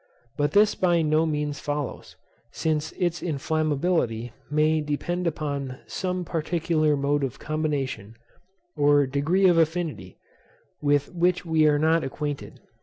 But this by no means follows; since its inflammability may depend upon some particular mode of combination, or degree of affinity, with which we are not acquainted.